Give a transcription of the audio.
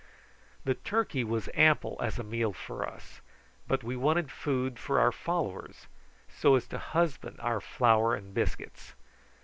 The turkey was ample as a meal for us, but we wanted food for our followers, so as to husband our flour and biscuits.